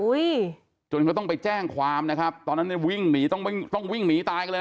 จนเขาต้องไปแจ้งความนะครับตอนนั้นเนี่ยวิ่งหนีต้องไม่ต้องวิ่งหนีตายกันเลย